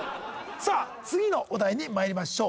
さあ次のお題にまいりましょう。